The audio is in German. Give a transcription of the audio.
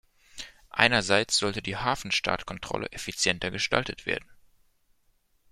Einerseits sollte die Hafenstaatkontrolle effizienter gestaltet werden.